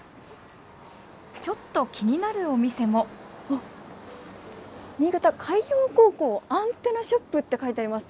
ちょっと気になるお店もあっ「新潟海洋高校アンテナショップ」って書いてあります。